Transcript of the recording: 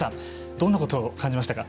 どんなことを感じましたか。